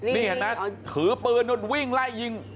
นี่เห็นมั้ยถือปืนนึงวิ่งไล่ยิง